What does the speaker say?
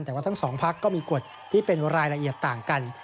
แต่ว่าทั้งสองพักก็มีกฎที่เป็นรายละเอียดต่างกัน